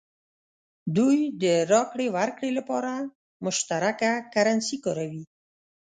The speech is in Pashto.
دوی د راکړې ورکړې لپاره مشترکه کرنسي کاروي.